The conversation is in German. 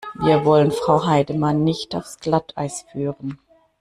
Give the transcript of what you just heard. Wir wollen Frau Heidemann nicht aufs Glatteis führen.